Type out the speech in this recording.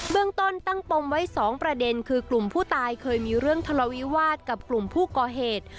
เรื่องต้นตั้งปมไว้๒ประเด็นคือกลุ่มผู้ตายเคยมีเรื่องทะเลาวิวาสกับกลุ่มผู้ก่อเหตุ